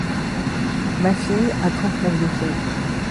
Ma fille a trente neuf de fièvre.